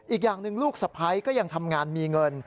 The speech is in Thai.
อีกอย่างหนึ่งลูกสะพ้ายก็ยังทำงานมีเงิน